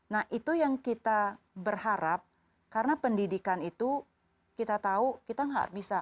nah itu yang kita berharap karena pendidikan itu kita tahu kita nggak bisa